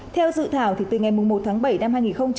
theo dự thảo từ ngày một tháng bảy năm hai nghìn một mươi chín